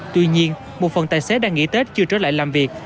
tuy nhiên một phần tài xế đang nghỉ tết chưa trở lại làm việc